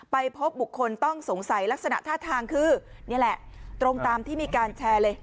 พบบุคคลต้องสงสัยลักษณะท่าทางคือนี่แหละตรงตามที่มีการแชร์เลย